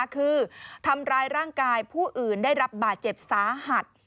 คือทำร้ายร่างกายผู้อื่นได้รับบาดเจ็บสาหัส